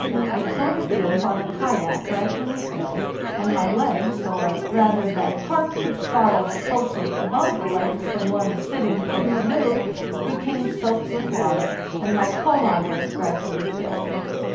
I towed it in while the kayak gradually filled, and my legs, or, rather, that part which follows closely above the legs when one is sitting BY SLEDGE AND KAYAK 301 in a canoe, became soaked with water, and my 'koma ger' gradually filled.